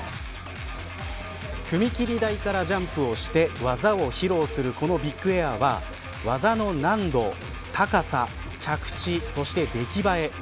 踏み切り台からジャンプをして技を披露するこのビッグエアは技の難度、高さ、着地そして出来栄え